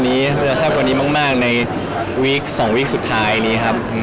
ในการที่ทำเซ็กซี่